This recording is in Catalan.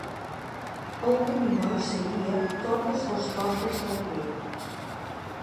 El caminoi seguia totes les tortes del riu.